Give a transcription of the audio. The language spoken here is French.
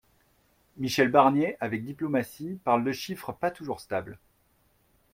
Michel Barnier, avec diplomatie, parle de chiffres pas toujours stables.